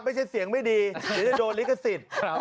ไม่ใช่เสียงไม่ดีหรือจะโดนลิขสิทธิ์